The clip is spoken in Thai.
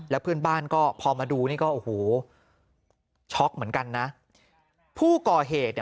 แล้วเพื่อนบ้านก็พอมาดูนี่ก็โอ้โหช็อกเหมือนกันนะผู้ก่อเหตุเนี่ย